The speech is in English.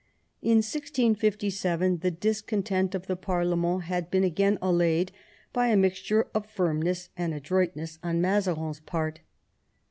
In 1657 the discontent of the parlement had been again allayed by a mixture of firmness and adroit ness on Mazarin's part.